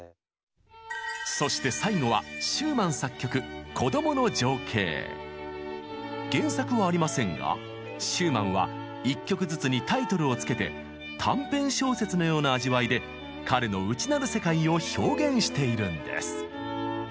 そして最後は原作はありませんがシューマンは一曲ずつにタイトルを付けて短編小説のような味わいで彼の内なる世界を表現しているんです。